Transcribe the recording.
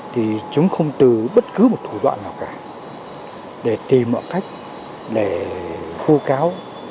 thì chúng không từ bất cứ một thủ đoạn nào cả để tìm một cách để hưu cáo